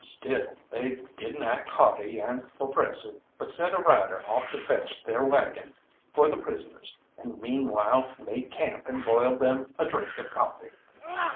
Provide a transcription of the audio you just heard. Still, they didn't act haughty and oppressive, but sent a rider off to fetch their waggon for the prisoners, and meanwhile made camp and boiled them a drink of coffee.